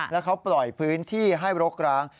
แล้วเขาปล่อยพื้นที่ให้รกร้าง